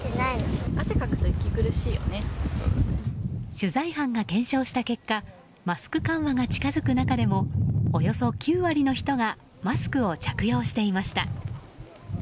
取材班が検証した結果マスク緩和が近づく中でもおよそ９割の人がマスクを着用していました。